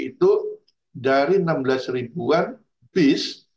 itu dari enam belas ribuan bis